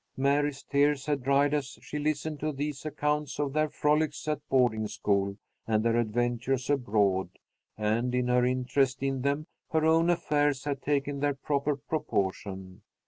Mary's tears had dried, as she listened to these accounts of their frolics at boarding school and their adventures abroad, and in her interest in them her own affairs had taken their proper proportion.